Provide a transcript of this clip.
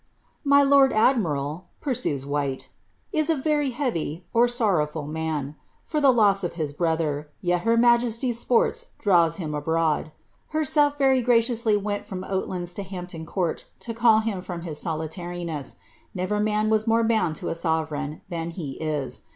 '^* ".My lord admiral,'" pursues Whyte, "is a very heavy (sorrowful' man, for the loss of his brother, yet her majesty's sports draw him abroad ; herself very graciously went from Oatlands to Hampton Coun. lo call him from his solitariness; never man was more bound to a sove reigii than he is.